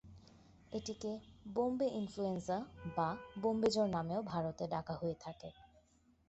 এটিকে "বোম্বে ইনফ্লুয়েঞ্জা" বা "বোম্বে জ্বর" নামেও ভারতে ডাকা হয়ে থাকে।